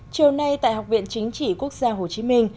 chiều nay tại học viện chính trị quốc gia hồ chí minh